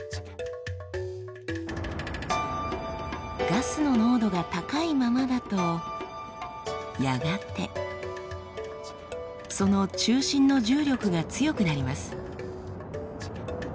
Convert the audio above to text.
ガスの濃度が高いままだとやがてその中心の重力が強くなります。